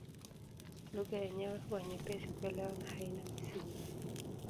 Lugha yenyewe huwa nyepesi kuelewa na haina misimu.